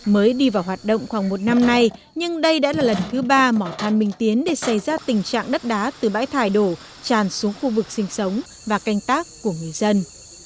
mới đi vào hoạt động khoảng một năm nay nhưng đây đã là lần thứ ba mỏ than minh tiến để xây ra tình trạng đất đá từ bãi thải đổ tràn xuống khu vực sinh sống và canh tác của người dân